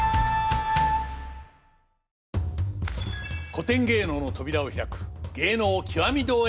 古典芸能の扉を開く「芸能きわみ堂」へようこそ。